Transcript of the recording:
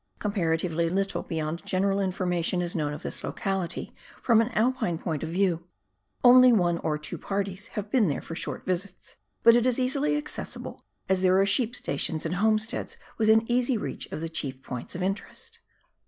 Comparatively little beyond general informa tion is known of this locality from an Alpine point of view. Only one or two parties have been there for short visits,* but it is easily accessible, as there are sheep stations and home steads within easy reach of the chief points of interest.